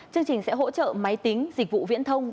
chương trình sẽ hỗ trợ máy tính dịch vụ viễn thông